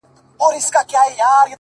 • خره په خیال کی د شنېلیو نندارې کړې ,